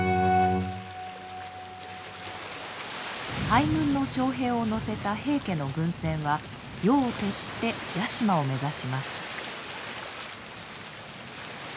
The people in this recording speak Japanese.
敗軍の将兵を乗せた平家の軍船は夜を徹して屋島を目指します。